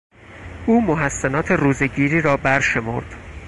او محسنات روزهگیری را برشمرد.